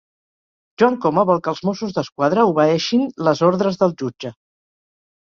Joan Coma vol que els Mossos d'Esquadra obeeixin les ordres del jutge